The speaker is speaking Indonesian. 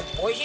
kok gue sih